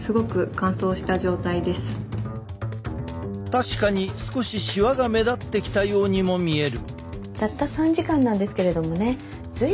確かに少ししわが目立ってきたようにも見える。